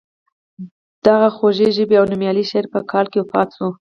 دغه خوږ ژبی او نومیالی شاعر په کال کې وفات شو.